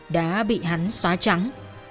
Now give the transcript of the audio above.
đã bị hắn xóa trắng